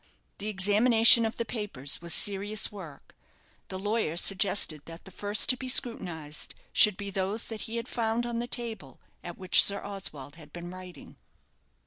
The examination of the papers was serious work. The lawyer suggested that the first to be scrutinized should be those that he had found on the table at which Sir Oswald had been writing.